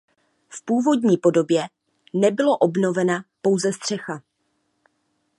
V původní podobě nebylo obnovena pouze střecha.